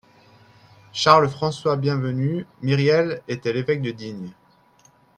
Charles-François-Bienvenu Myriel était évêque de Digne